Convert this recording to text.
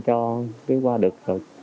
cho phía qua được